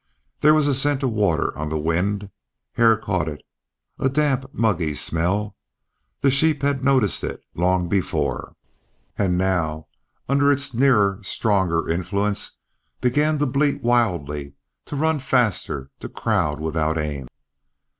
There was a scent of water on the wind. Hare caught it, a damp, muggy smell. The sheep had noticed it long before, and now under its nearer, stronger influence began to bleat wildly, to run faster, to crowd without aim.